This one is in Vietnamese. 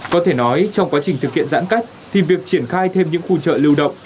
có thể nói trong quá trình thực hiện giãn cách thì việc triển khai thêm những khu chợ lưu động